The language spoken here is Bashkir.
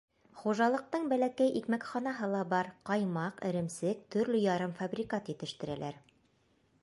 Хужалыҡтың бәләкәй икмәкханаһы ла бар, ҡаймаҡ, эремсек, төрлө ярымфабрикат етештерәләр.